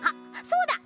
そうだ。